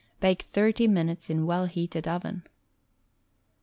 Bake 30 minutes in well heated oven.